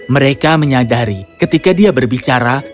mereka menyadari ketika dia berbicara